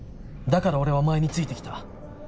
だから俺はお前についてきた。